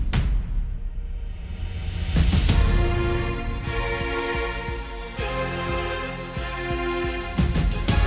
สวัสดีค่ะยินดีต้อนรับโทรศัพท์